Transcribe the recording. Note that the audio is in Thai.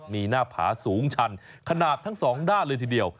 มีหน้าผาสูงชันขนาดทั้งสองด้านเลยทีเดียว